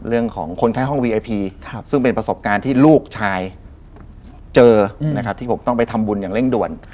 คนไข้ห้องวีไอพีซึ่งเป็นประสบการณ์ที่ลูกชายเจอนะครับที่ผมต้องไปทำบุญอย่างเร่งด่วน